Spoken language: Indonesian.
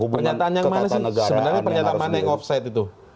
pernyataan mana yang offside itu